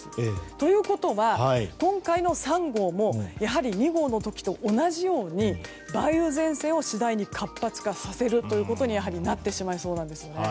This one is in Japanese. ということは、今回の３号もやはり２号の時と同じように梅雨前線を次第に活発化させることになってしまいそうです。